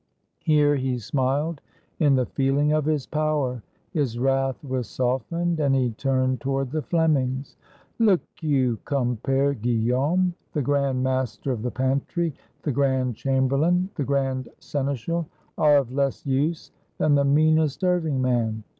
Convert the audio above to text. Here he smiled in the feeling of his power: his wrath was softened, and he turned toward the Flemings. "Look you, Compere Guillaume, the grand master of the pantry, the grand chamberlain, the grand senes chal, are of less use than the meanest serving man.